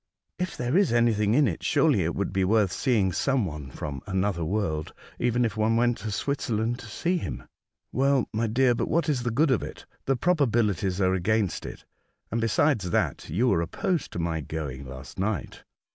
a If there is anything in it, surely it would be worth seeing some one from another world, even if one went to Switzerland to see him." '' Well, my dear, but what is the good of it ? The probabilities are against it ; and, beside that, you were opposed to my going last night."